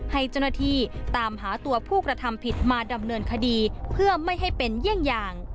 ให้เจ้าหน้าที่ตามหาตัวผู้กระทำผิดมาดำเนินคดีเพื่อไม่ให้เป็นเยี่ยงอย่าง